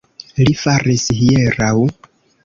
Li faris hieraŭ